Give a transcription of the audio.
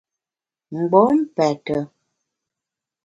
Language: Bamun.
Mgbom pète.